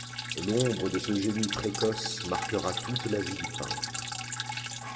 L’ombre de ce génie précoce marquera toute la vie du peintre.